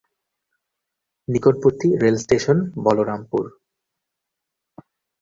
নিকটবর্তী রেলস্টেশন বলরামপুর।